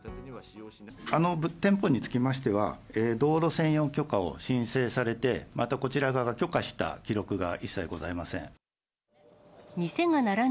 あの店舗につきましては、道路占用許可を申請されて、またこちら側が許可した記録が一切ございません。